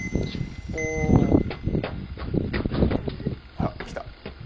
「あっきた！」